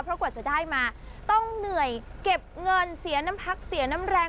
เพราะกว่าจะได้มาต้องเหนื่อยเก็บเงินเสียน้ำพักเสียน้ำแรง